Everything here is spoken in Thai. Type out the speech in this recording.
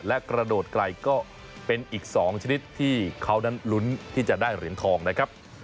และกระโดดไกลก็เป็นอีก๒ชนิดที่เขานั้นลุ้นที่จะได้เหรียญทองนะครับ